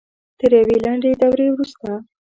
تر یوې لنډې دورې وروسته